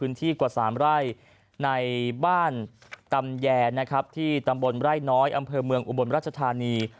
ในบ้านตำแย่นะครับที่ตำบลไร่น้อยอำเภอเมืองอุบลรัวชธารณี